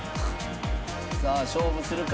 さあ勝負するか？